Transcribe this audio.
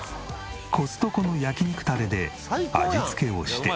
コストコの焼き肉タレで味付けをして。